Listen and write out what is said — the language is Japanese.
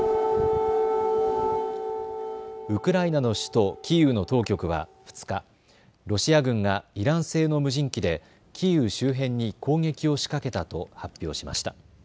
ウクライナの首都キーウの当局は２日、ロシア軍がイラン製の無人機でキーウ周辺に攻撃を仕掛けたと発表しました。